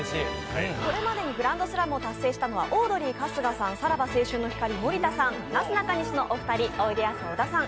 これまでにグランドスラムを達成したのはオードリー・春日さん、さらば青春の光・森田さんなすなかにしのお二人おいでやすの小田さん